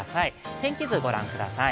天気図、ご覧ください。